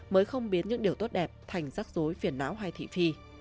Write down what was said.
mới không biến những điều tốt đẹp thành rắc rối phiền não hay thị phi